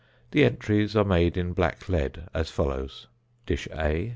The entries are made in black lead as follows: Dish, A.